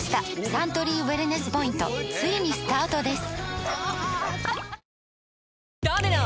サントリーウエルネスポイントついにスタートです！